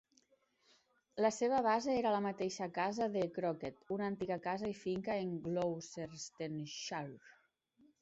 La seva base era la mateixa casa de Crockett, una antiga casa i finca en Gloucestershire.